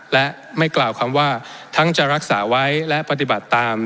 และไม่กล่าวคำว่าทั้งจะรักษาไว้และปฏิบัติตาม